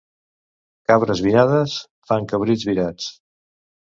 Cabres virades fan cabrits virats.